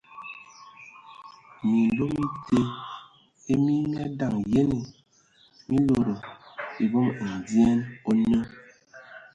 Minlo mi te e mi mi adaŋ yene, mi lodo e vom ndyɛn o nə.